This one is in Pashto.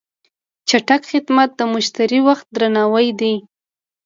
چټک خدمت د مشتری وخت درناوی دی.